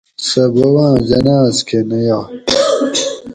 سہ بوباں جناۤزکہ نہ یائ